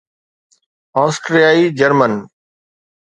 آسٽريائي German